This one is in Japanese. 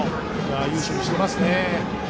いい守備していますね。